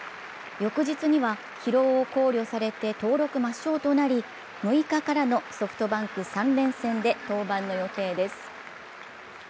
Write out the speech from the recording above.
翌日には疲労を考慮されて登録抹消となり６日からのソフトバンク３連戦で登板の予定です。